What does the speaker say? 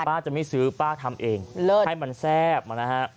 จะไม่ซื้อป้าทำเองให้มันแซ่บนะฮะ